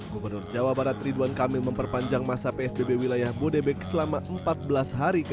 gubernur jawa barat ridwan kamil memperpanjang masa psbb wilayah bodebek selama empat belas hari